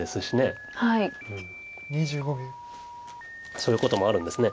そういうこともあるんですね。